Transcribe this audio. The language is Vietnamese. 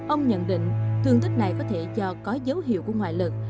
ông nhận định thương tích này có thể cho có dấu hiệu của ngoại lực